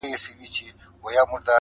• غویی په منطق نه پوهېږي -